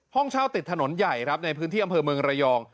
ห้องเช่าติดถนนใหญ่ครับในพื้นที่อำเภอเมืองระยอง